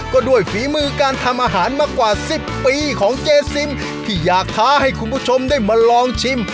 ก็ด้วยฝีมือการทำอาหารมากว่า๑๐ปีของเจซิมที่อยากท้าให้คุณผู้ชมได้มาลองชิม